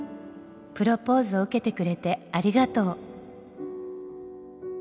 「プロポーズを受けてくれてありがとう」